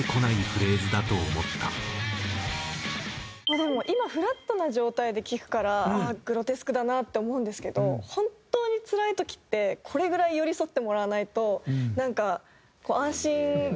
でも今フラットな状態で聴くからああグロテスクだなって思うんですけど本当につらい時ってこれぐらい寄り添ってもらわないとなんか安心できない時って。